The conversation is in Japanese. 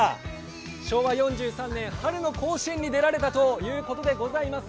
昭和４３年、春の甲子園に出られたということでございます。